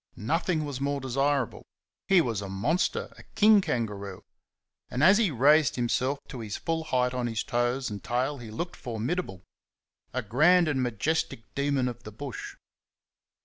Nothing was more desirable. He was a monster, a king kangaroo; and as he raised himself to his full height on his toes and tail he looked formidable a grand and majestic demon of the bush.